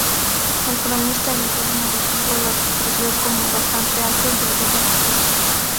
El cronista Guillermo de Tiro lo describió como ""bastante alto y de bella figura.